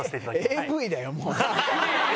ＡＶだよもう。